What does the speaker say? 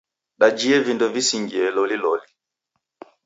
Dajie vindo visingie loliloli.